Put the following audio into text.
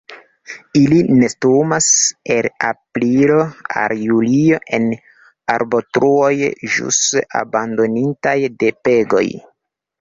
Ili nestumas el aprilo al julio en arbotruoj ĵus abandonitaj de pegoj.